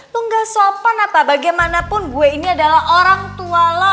tunggal sopan apa bagaimanapun gue ini adalah orang tua lo